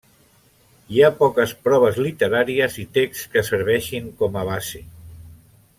Hi ha poques proves literàries i texts que serveixin com a base.